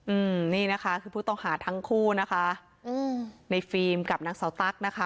อืมนี่นะคะคือผู้ต้องหาทั้งคู่นะคะอืมในฟิล์มกับนางเสาตั๊กนะคะ